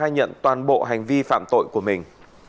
nhận toàn bộ hành vi phạm tội của mình